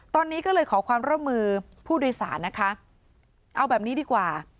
ตอนนี้ก็เลยขอความร่วมมือผู้โดยสารนะคะเอาแบบนี้ดีกว่า